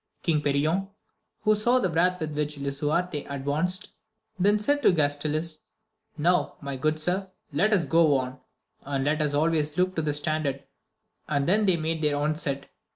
King Perion, who saw the wrath with which Lisuarte advanced, then said to Gastiles, Now, my good sir, let us go on, and ]et us alway look to the standard, and then they made their onset.